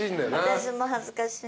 私も恥ずかしい。